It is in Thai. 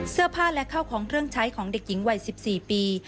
เสื้อผ้าและเข้าของเครื่องใช้ของเด็กหญิงวัย๑๔ปี